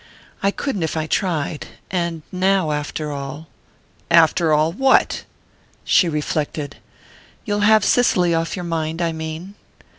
"I couldn't if I tried; and now, after all " "After all what?" She reflected. "You'll have Cicely off your mind, I mean."